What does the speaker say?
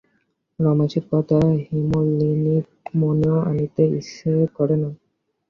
রমেশের কথা হেমনলিনী মনেও আনিতে ইচ্ছা করে না।